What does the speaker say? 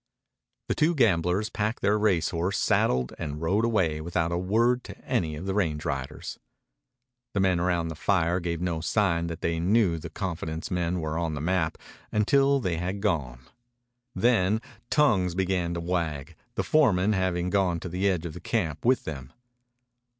The two gamblers packed their race horse, saddled, and rode away without a word to any of the range riders. The men round the fire gave no sign that they knew the confidence men were on the map until after they had gone. Then tongues began to wag, the foreman having gone to the edge of the camp with them.